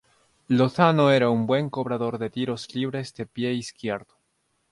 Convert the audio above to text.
Lozano era un buen cobrador de tiros libres de pie izquierdo.